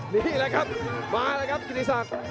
นี่แหละครับมาแล้วครับกิติศักดิ์